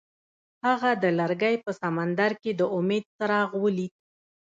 هغه د لرګی په سمندر کې د امید څراغ ولید.